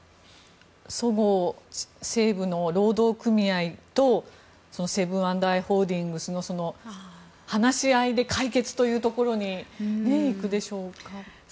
そごう・西武の労働組合とセブン＆アイ・ホールディングスの話し合いで解決というところに行くでしょうか。